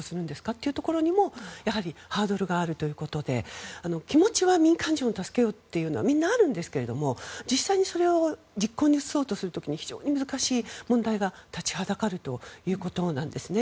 というところにもハードルがあるということで気持ちは民間人を助けようというのはみんなあるんですが実際にそれを実行に移そうとする時に非常に難しい問題が立ちはだかるということなんですね。